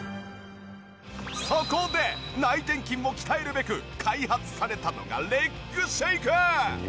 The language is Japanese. そこで内転筋を鍛えるべく開発されたのがレッグシェイク！